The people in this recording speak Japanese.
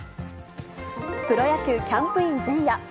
プロ野球キャンプイン前夜。